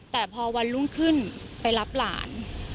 แต่พอวันรุ่งขึ้นไปรับหลาน